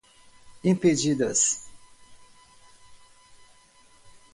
impedidas